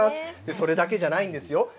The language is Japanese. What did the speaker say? それだけじゃないんですよ。